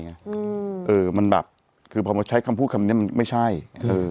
อืมเออมันแบบคือพอมาใช้คำพูดคำเนี้ยมันไม่ใช่เออ